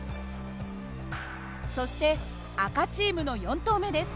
そして赤チームの４投目です。